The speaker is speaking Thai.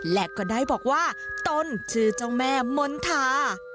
และก็ได้บอกว่าตนชื่อเจ้าแม่มณฑา